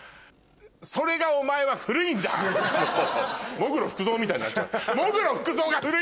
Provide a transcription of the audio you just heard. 喪黒福造みたいになっちゃった。